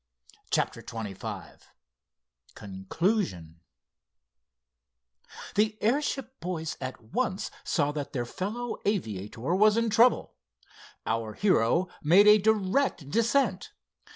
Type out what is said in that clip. CHAPTER XXV CONCLUSION The airship boys at once saw that their fellow aviator was in trouble. Our hero made a direct descent.